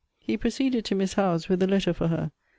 He proceeded to Miss Howe's with the letter for her.